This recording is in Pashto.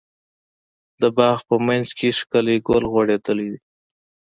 د باغ په منځ کې ښکلی ګل غوړيدلی ده.